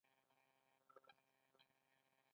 د مارګو دښتې خطرناکې دي؟